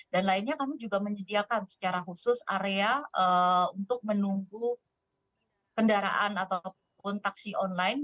dan lainnya kami juga menyediakan secara khusus area untuk menunggu kendaraan ataupun taksi online